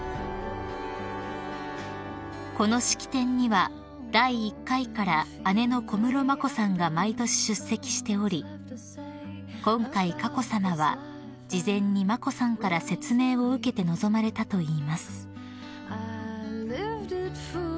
［この式典には第１回から姉の小室眞子さんが毎年出席しており今回佳子さまは事前に眞子さんから説明を受けて臨まれたといいます］